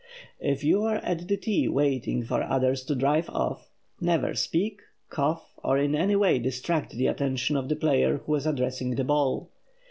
If you are at the tee waiting for others to "drive off," never speak, cough, or in any way distract the attention of the player who is addressing the ball.